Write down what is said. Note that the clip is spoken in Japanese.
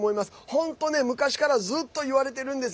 本当ね、昔からずっと、いわれてるんです。